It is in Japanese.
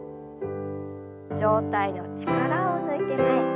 上体の力を抜いて前。